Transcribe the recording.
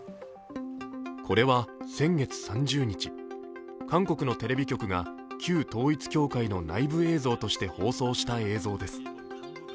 これは先月３０日韓国のテレビ局が旧統一教会の内部映像として放送した映像です。